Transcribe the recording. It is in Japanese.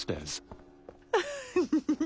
フフフッ。